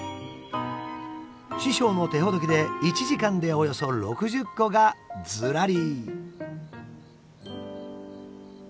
師匠の手ほどきで１時間でおよそ６０個がずらり。